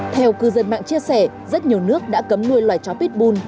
theo cư dân mạng chia sẻ rất nhiều nước đã cấm nuôi loại chó pitbull